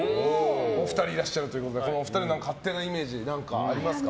お二人いらっしゃるということで勝手なイメージ何かありますか？